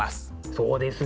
そうですね。